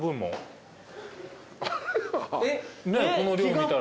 この量見たら。